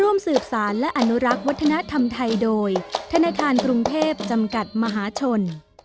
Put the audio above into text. ร่วมสืบสารและอนุรักษ์วัฒนธรรมไทยโดยธนาคารกรุงเทพจำกัดมหาชน